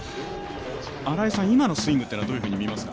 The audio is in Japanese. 今のスイングは、どういうふうに見ますか？